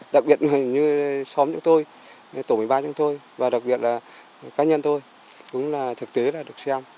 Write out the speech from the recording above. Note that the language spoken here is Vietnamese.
đặc biệt như xóm chúng tôi tổ bình ba chúng tôi và đặc biệt là cá nhân tôi cũng là thực tế là được xem